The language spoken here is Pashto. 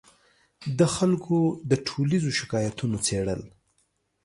د خلکو د ټولیزو شکایتونو څېړل